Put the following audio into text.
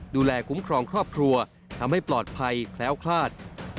ดูแลคุ้มครองครอบครัวทำให้ปลอดภัยแคล้วคลาด